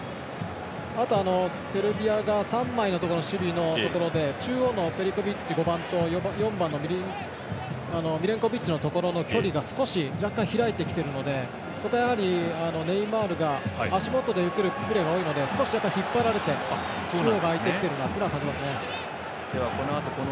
あと、セルビアが３枚のところの守備のところで中央のベリコビッチとミレンコビッチのところが開いてきているのでそこが、やはりネイマールが足元で受けるプレーが多いので少し若干引っ張られて中央が空いてきてるなと思いますね。